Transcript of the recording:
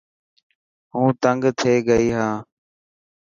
هون تنگ ٿيي گئي هان.